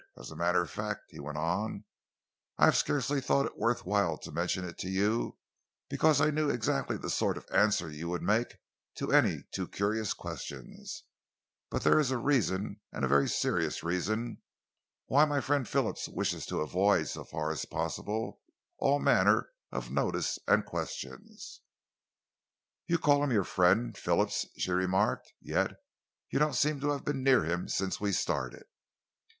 "As a matter of fact," he went on, "I have scarcely thought it worth while to mention it to you, because I knew exactly the sort of answer you would make to any too curious questions, but there is a reason, and a very serious reason, why my friend Phillips wishes to avoid so far as possible all manner of notice and questions." "You call him your friend Phillips," she remarked, "yet you don't seem to have been near him since we started."